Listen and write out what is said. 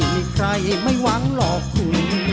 มีใครไม่หวังหรอกคุณ